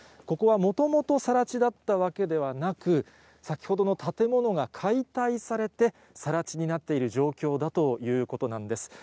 ここはもともとさら地だったわけではなく、先ほどの建物が解体されて、さら地になっている状況だということなんです。